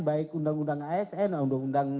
baik undang undang asn undang undang